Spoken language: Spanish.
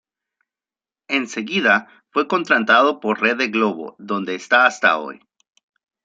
En seguida fue contratado por la Rede Globo, donde está hasta hoy.